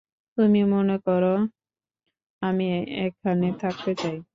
তুমি মনে করো আমি এখানে থাকতে চাই?